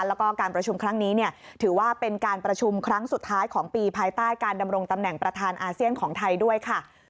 แล้วก็การประชุมครั้งนี้เนี่ยถือว่าเป็นการประชุมครั้งสุดท้ายของปีภายใต้การดำรงตำแหน่งประธานอาเซียนของไทยด้วยค่ะ